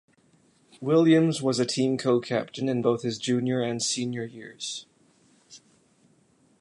Williams was a team co-captain in both his junior and senior years.